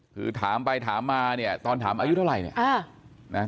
คือถามไปถามมาเนี่ยตอนถามอายุเท่าไหร่เนี่ยนะ